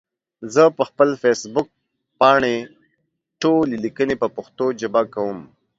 زه پخپل فيسبوک پاڼې ټولي ليکني په پښتو ژبه کوم